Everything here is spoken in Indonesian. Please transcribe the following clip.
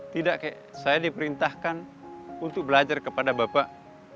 tidak kayak saya diperintahkan untuk belajar kepada bapak